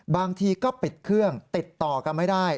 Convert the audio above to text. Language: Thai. บางทีก็ปิดเครื่องติดต่อกันไม่ได้